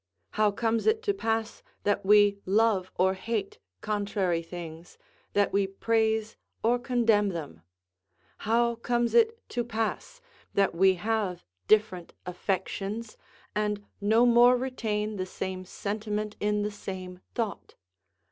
How comes it to pass that we love or hate contrary things, that we praise or condemn them? How comes it to pass that we have different affections, and no more retain the same sentiment in the same thought?